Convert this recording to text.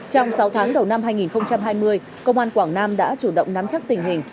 trong sáu tháng đầu năm hai nghìn hai mươi công an quảng nam đã chủ động nắm chắc tình hình